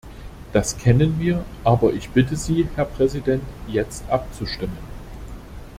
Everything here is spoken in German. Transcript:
Das kennen wir, aber ich bitte Sie, Herr Präsident, jetzt abzustimmen.